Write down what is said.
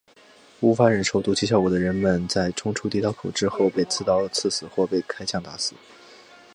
无法忍受毒气效果的人们在冲出地道口之后被刺刀刺死或者被开枪打死。